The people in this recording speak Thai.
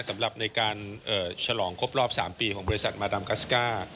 สำหรับในการฉลองครบรอบ๓ปีของบริษัทมาดามกัสก้า